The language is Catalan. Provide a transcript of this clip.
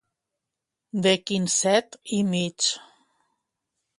De quinzet i mig.